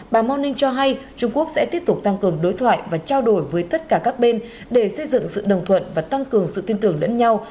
bà morning cho hay trung quốc sẽ tiếp tục tăng cường đối thoại và trao đổi với tất cả các bên để xây dựng sự đồng thuận và tăng cường sự tin tưởng lẫn nhau